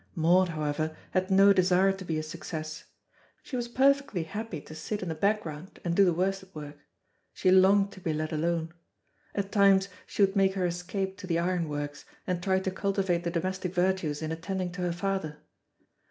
Maud, however, had no desire to be a success. She was perfectly happy to sit in the background and do the worsted work. She longed to be let alone. At times she would make her escape to the iron works and try to cultivate the domestic virtues in attending to her father.